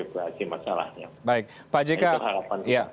perlu diklarifikasi masalahnya